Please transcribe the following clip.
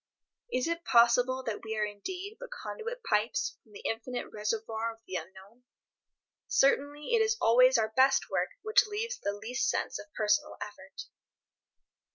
Is it possible that we are indeed but conduit pipes from the infinite reservoir of the unknown? Certainly it is always our best work which leaves the least sense of personal effort.